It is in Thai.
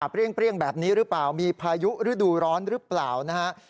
เปรี้ยงแบบนี้หรือเปล่ามีพายุฤดูร้อนหรือเปล่านะฮะ